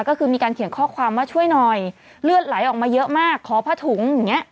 ก็คือมีการเขียนข้อความว่าช่วยหน่อยเลือดไหลออกมาเยอะมากขอผ้าถุงอย่างเงี้